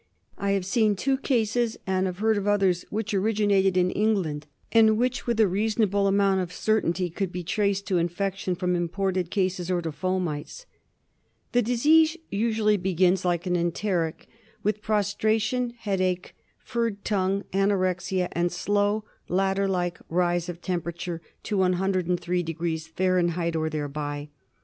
I have seen two cases, and have heard of others, which originated in England and which, with a reasonable amount of certainty, could be traced to infection from imported cases or to fomites. The disease usually begins, like an enteric, with prostration, headache, furred tongue, anorexia and slow ladder like rise of temperature to 103° Fahr. or thereby.